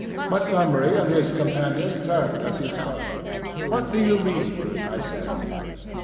Montgomery and his companion turned as he spoke. "What do you mean?" I said.